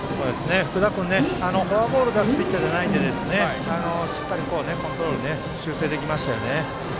福田君はフォアボールを出すピッチャーではないのでここはしっかりコントロールを修正できましたよね。